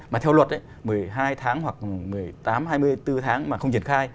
mà theo luật một mươi hai tháng hoặc một mươi tám hai mươi bốn tháng mà không triển khai